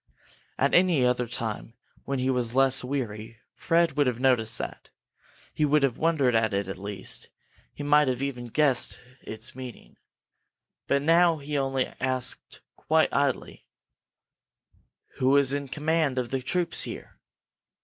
At any other time, when he was less weary, Fred would have noticed that. He would have wondered at it, at least; he might even have guessed its meaning. But now he only asked, quite idly: "Who is in command of the troops here?"